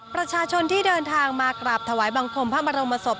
ประชาชนที่เดินทางมากราบถวายบังคมพระบรมศพ